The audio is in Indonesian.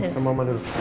sini sama oma dulu